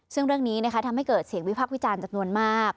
ซึ่งเรื่องนี้ทำให้เกิดเสียงวิพักษ์วิจารณ์จำนวนมาก